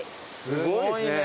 すごいね！